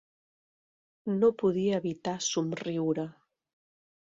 No podia evitar somriure.